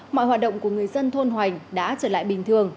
mọi hoạt động của người dân thôn hoành đã trở lại bình thường